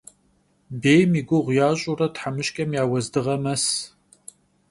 Bêym ya guğu yaş'ure themışç'em ya vuezdığe mes.